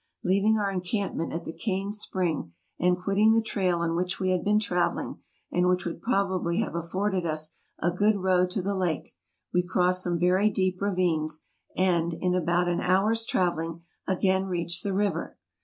Leaving our en campment at the Cane spring, and quitting the trail on which we had been traveling, and which would probably have afforded us a good road to the lake, we crossed some very deep ravines, and, in about an hour's traveling, again reached the river.